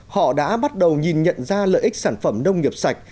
họ đã bắt đầu nhìn nhận ra lợi ích sản phẩm nông nghiệp sạch